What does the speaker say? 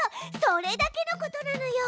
それだけのことなのよ。